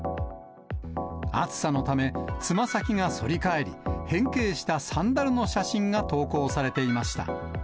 暑さのため、つま先が反り返り、変形したサンダルの写真が投稿されていました。